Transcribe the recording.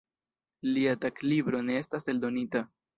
Lia taglibro ne estas eldonita.